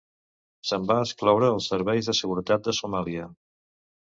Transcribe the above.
Se'n van excloure els serveis de seguretat de Somàlia.